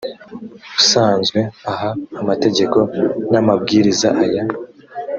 usanzwe aha amategeko n amabwiriza aya